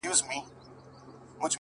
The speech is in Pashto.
• تر ابده له دې ښاره سو بېزاره,